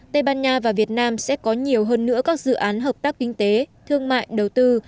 tây ban nha và việt nam sẽ có nhiều hơn nữa các dự án hợp tác kinh tế thương mại đầu tư